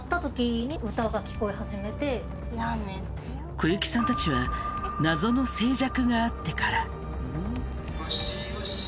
小雪さんたちは謎の静寂があってから。